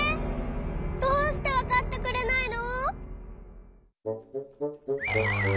どうしてわかってくれないの！？